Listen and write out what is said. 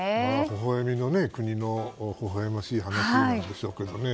ほほ笑みの国のほほ笑ましい話なんでしょうけどね。